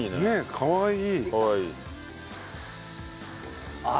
かわいい。